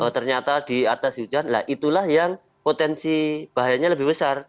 ternyata di atas hujan itulah yang potensi bahayanya lebih besar